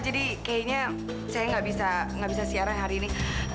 jadi kayaknya saya gak bisa siaran hari ini